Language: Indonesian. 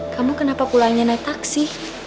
kamu kenapa pulangnya naik taksi